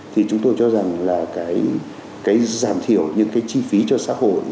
thì chúng tôi cho rằng là cái giảm thiểu những cái chi phí cho xã hội